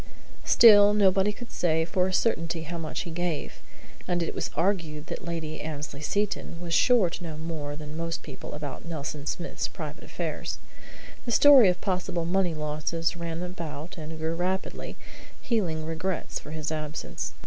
Still, nobody could say for a certainty how much he gave, and it was argued that Lady Annesley Seton was sure to know more than most people about Nelson Smith's private affairs. The story of possible money losses ran about and grew rapidly, healing regrets for his absence.